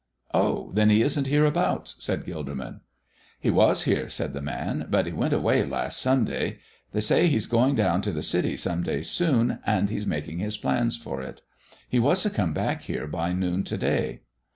"Oh, then He isn't hereabouts?" said Gilderman. "He was here," said the man; "but He went away last Sunday. They say He's going down to the city some day soon, and He's making His plans for it. He was to come back here by noon to day."